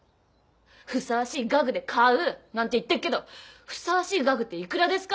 「ふさわしい額で買う」なんて言ってっけどふさわしい額って幾らですか？